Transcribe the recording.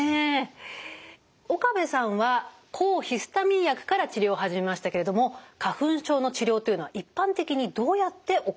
岡部さんは抗ヒスタミン薬から治療を始めましたけれども花粉症の治療というのは一般的にどうやって行われるのか。